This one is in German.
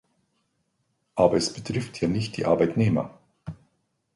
Aber es betrifft ja nicht die Arbeitnehmer.